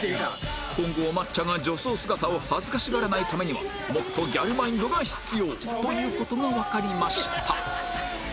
今後お抹茶が女装姿を恥ずかしがらないためにはもっとギャルマインドが必要という事がわかりました